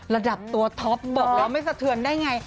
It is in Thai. ระดับตัวท็อปบอกแล้วไม่สะเทือนได้ไง